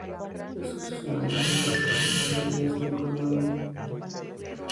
Jesús es un año mayor que Alejandro y es su único hermano.